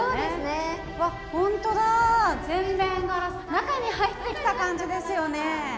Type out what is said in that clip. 中に入ってきた感じですよね。